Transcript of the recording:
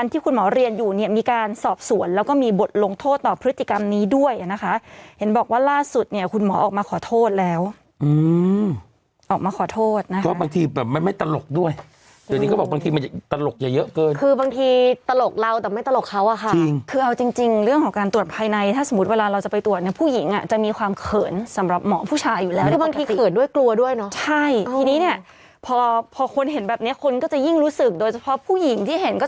ด้วยเดี๋ยวนี้ก็บอกบางทีมันจะตลกอย่าเยอะเกินคือบางทีตลกเราแต่ไม่ตลกเขาอะค่ะจริงคือเอาจริงจริงเรื่องของการตรวจภายในถ้าสมมุติเวลาเราจะไปตรวจเนี่ยผู้หญิงอะจะมีความเขินสำหรับหมอผู้ชายอยู่แล้วบางทีเขินด้วยกลัวด้วยเนอะใช่ทีนี้เนี่ยพอพอคนเห็นแบบเนี้ยคนก็จะยิ่งรู้สึกโดยเฉพาะผู้ห